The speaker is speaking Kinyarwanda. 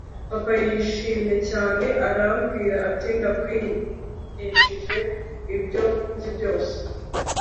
papa yishimye cyane arambwira ati nakwigishije ibyo nzi byose